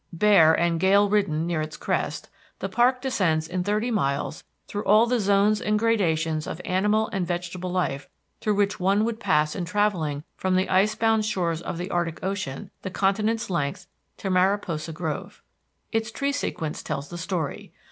Bare and gale ridden near its crest, the park descends in thirty miles through all the zones and gradations of animal and vegetable life through which one would pass in travelling from the ice bound shores of the Arctic Ocean the continent's length to Mariposa Grove. Its tree sequence tells the story.